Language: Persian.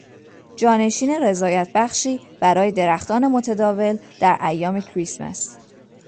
جانشین رضایتبخشی برای درختان متداول در ایام کریسمس